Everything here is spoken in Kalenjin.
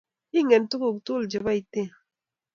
Ingen tuguk tugul chebo Iten